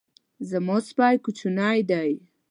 زما سپی کوچنی دی